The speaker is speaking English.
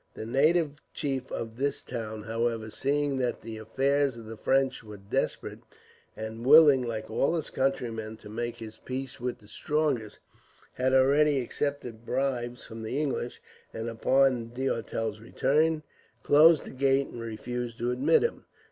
The native chief of this town, however, seeing that the affairs of the French were desperate; and willing, like all his countrymen, to make his peace with the strongest, had already accepted bribes from the English; and upon D'Auteuil's return, closed the gates and refused to admit him.